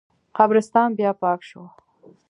قبرستان بیا پاک شو.